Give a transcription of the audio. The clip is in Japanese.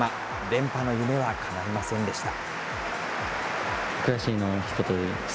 連覇の夢はかないませんでした。